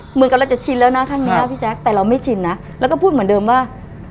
เหมือนกับเราจะชินแล้วนะครั้งนี้พี่แจ๊คแต่เราไม่ชินนะแล้วก็พูดเหมือนเดิมว่า